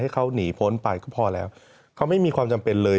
เขาหนีพ้นไปก็พอแล้วเขาไม่มีความจำเป็นเลย